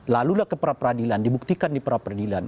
lalulah ke pra peradilan dibuktikan di pra peradilan